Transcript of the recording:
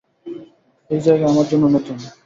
এই জায়গা আমার জন্য নতুন।